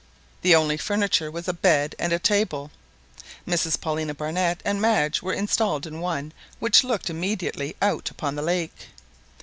The only furniture was a bed and a table. Mrs Paulina Barnett and Madge were installed in one which looked immediately out upon the lake.